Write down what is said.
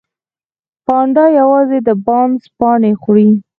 پاندا یوازې د بانس پاڼې خوري